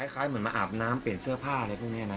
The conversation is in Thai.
คล้ายเหมือนมาอาบน้ำเปลี่ยนเสื้อผ้าอะไรพวกนี้นะ